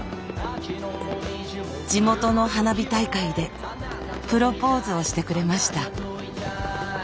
地元の花火大会でプロポーズをしてくれました。